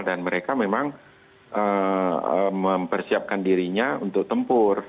dan mereka memang mempersiapkan dirinya untuk tempur